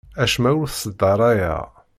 Acemma ur t-sdarayeɣ.